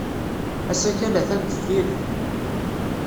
Asakal atan deffir-i.